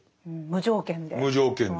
無条件で。